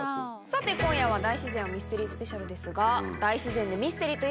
さて今夜は大自然はミステリースペシャルですが。